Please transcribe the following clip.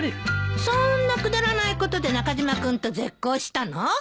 そんなくだらないことで中島君と絶交したの？